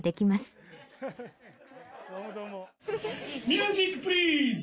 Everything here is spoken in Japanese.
ミュージックプリーズ！